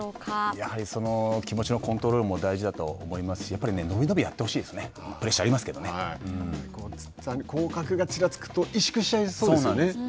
やはり気持ちのコントロールも大事だと思いますしやっぱり、伸び伸びやってほしいですね降格がちらつくと萎縮しちゃいそうですけどね。